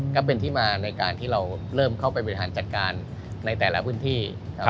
ก็เป็นที่มาในการที่เราเริ่มเข้าไปบริหารจัดการในแต่ละพื้นที่